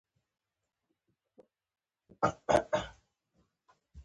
له همدې کبله یې بیه له واقعي ارزښت لوړه ده